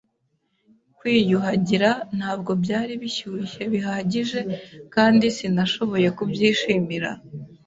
Kwiyuhagira ntabwo byari bishyushye bihagije kandi sinashoboye kubyishimira.